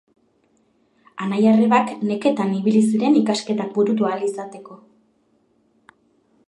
Anai-arrebak neketan ibili ziren ikasketak burutu ahal izateko.